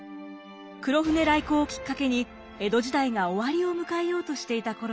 黒船来航をきっかけに江戸時代が終わりを迎えようとしていた頃です。